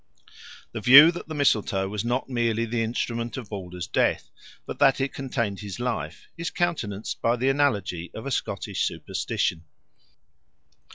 The view that the mistletoe was not merely the instrument of Balder's death, but that it contained his life, is countenanced by the analogy of a Scottish superstition.